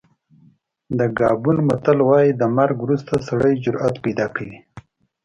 د ګابون متل وایي د مرګ وروسته سړی جرأت پیدا کوي.